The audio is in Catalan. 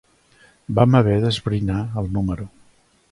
Vam haver d'esbrinar el número.